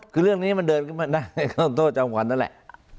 คือเรื่องนี้มันเดินขึ้นมาได้โทษจำขวัญนั่นแหละ